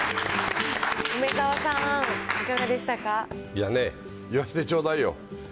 いやね、言わせてちょうだいよ。